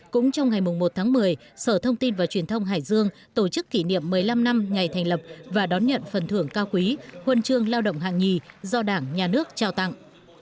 cũng trong ngày một tháng một mươi sở thông tin và truyền thông hải dương tổ chức kỷ niệm một mươi năm năm ngày thành lập và đón nhận phần thưởng cao quý huân chương lao động hạng nhì do đảng nhà nước trao tặng